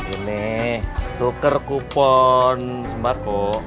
ini tuker kupon sembako